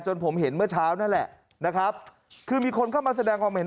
ผมเห็นเมื่อเช้านั่นแหละนะครับคือมีคนเข้ามาแสดงความเห็น